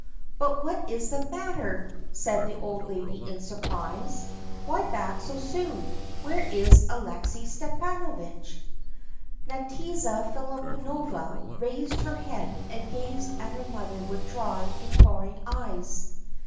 "But what is the matter," said the old lady in surprise, "why back so soon? Where is Alexey Stepanovitch?" Nadyezhda Filippovna raised her head and gazed at her mother with dry, imploring eyes.